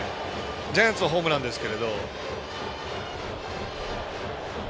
ジャイアンツはホームランですが。